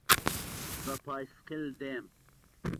بە پایسکل دێم.